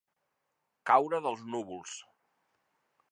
Caure dels núvols.